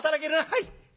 「はい。